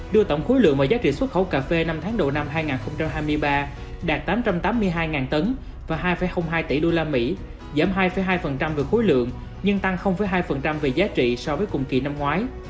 đưa tổng khối lượng và giá trị xuất khẩu cà phê năm tháng đầu năm hai nghìn hai mươi ba đạt tám trăm tám mươi hai tấn và hai hai tỷ usd giảm hai hai về khối lượng nhưng tăng hai về giá trị so với cùng kỳ năm ngoái